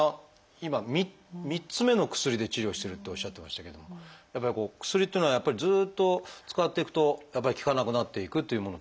今３つ目の薬で治療してるっておっしゃってましたけども薬っていうのはやっぱりずっと使っていくとやっぱり効かなくなっていくっていうものですか？